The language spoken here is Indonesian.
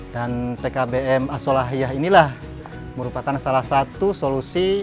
dan pkbm asolahiyah inilah merupakan salah satu solusi